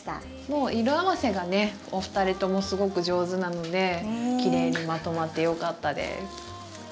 もう色合わせがねお二人ともすごく上手なのできれいにまとまってよかったです。